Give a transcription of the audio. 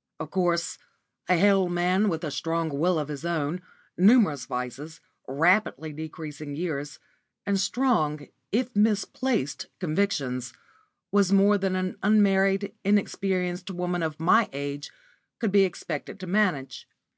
*_ Of course, a hale man with a strong will of his own, numerous vices, rapidly decreasing years, and strong, if misplaced, convictions, was more than an unmarried, inexperienced, woman of my age could be expected to manage.